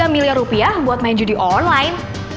tiga miliar rupiah buat main judi online